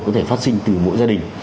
có thể phát sinh từ mỗi gia đình